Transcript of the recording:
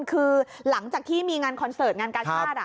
คือหลังจากที่มีงานคอนเสิร์ตงานกาชาติ